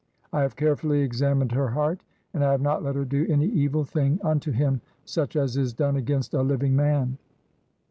I have carefully examin ed her heart, and I have not let her do any evil "thing unto him such as is done against a living "man.